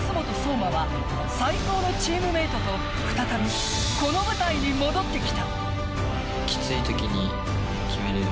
真は最高のチームメートと再び、この舞台に戻ってきた。